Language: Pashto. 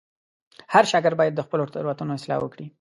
هر شاګرد باید د خپلو تېروتنو اصلاح وکړي.